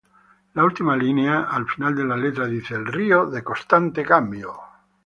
La última línea al final de la letra dicen "el río de constante cambio".